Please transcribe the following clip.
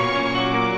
aku mau ke rumah